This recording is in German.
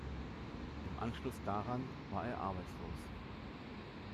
Im Anschluss daran war er arbeitslos.